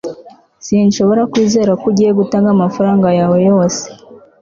sinshobora kwizera ko ugiye gutanga amafaranga yawe yose